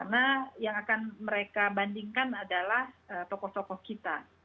karena yang akan mereka bandingkan adalah tokoh tokoh kita